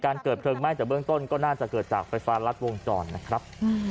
เกิดเพลิงไหม้แต่เบื้องต้นก็น่าจะเกิดจากไฟฟ้ารัดวงจรนะครับ